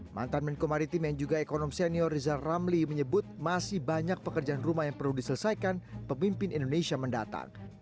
mantan menko maritim yang juga ekonom senior rizal ramli menyebut masih banyak pekerjaan rumah yang perlu diselesaikan pemimpin indonesia mendatang